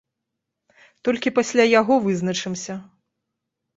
Толькі пасля яго вызначымся.